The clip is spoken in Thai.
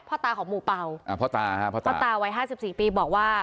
พ่อตาของหมูเปล่าพ่อตาไว้๕๔ปีบอกว่า